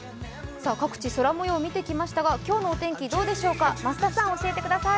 各地空もようを見てきましたが今日のお天気どうでしょうか？